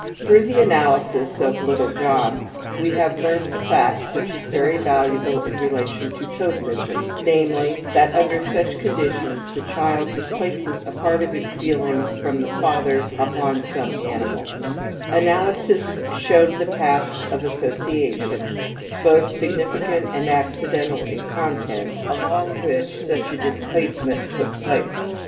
Through the analysis, of * little John ' we have learnt a fact which is very valuable in relation to totem ism, namely, that^under such conditions the child displaces a part of its feelings from the father upon some animal]) Analysis showed the paths of association, both significant and accidental in content, along which such a displacement took place.